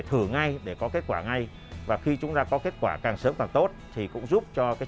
thử ngay để có kết quả ngay và khi chúng ta có kết quả càng sớm càng tốt thì cũng giúp cho